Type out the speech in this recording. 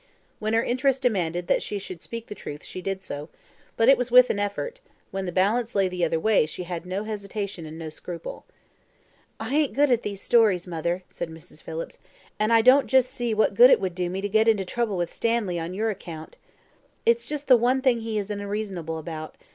When her interest demanded that she should speak the truth she did so, but it was with an effort; when the balance lay the other way she had no hesitation and no scruple. "I ain't good at these stories, mother," said Mrs. Phillips, "and I don't just see what good it will do me to get into trouble with Stanley on your account. It is just the one thing he is unreasonable about.